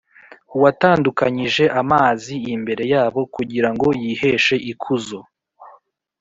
uwatandukanyije amazi imbere yabo, kugira ngo yiheshe ikuzo?